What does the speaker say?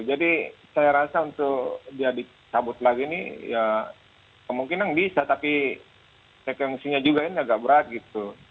saya rasa untuk dia dicabut lagi ini ya kemungkinan bisa tapi frekuensinya juga ini agak berat gitu